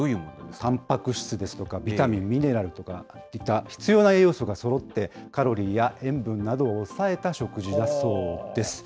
たんぱく質ですとかビタミン、ミネラルといった必要な栄養素がそろって、カロリーや塩分などを抑えた食事だそうです。